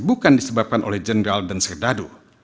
bukan disebabkan oleh jenggal dan serdadu